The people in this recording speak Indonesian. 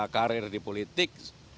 karir di politik